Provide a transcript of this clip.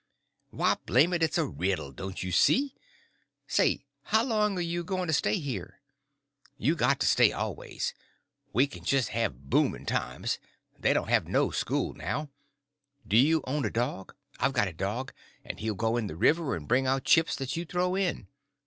"Why, blame it, it's a riddle, don't you see? Say, how long are you going to stay here? You got to stay always. We can just have booming times—they don't have no school now. Do you own a dog? I've got a dog—and he'll go in the river and bring out chips that you throw in.